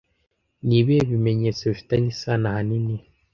ni ibihe bimenyetso bifitanye isano ahanini